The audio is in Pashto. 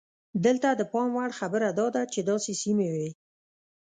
دلته د پام وړ خبره دا ده چې داسې سیمې وې.